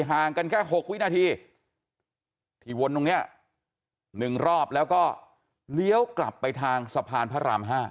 ห่างกันแค่๖วินาทีที่วนตรงนี้๑รอบแล้วก็เลี้ยวกลับไปทางสะพานพระราม๕